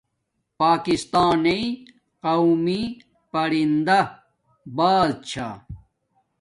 پاکستانݵ قومی پرندہ باز چھا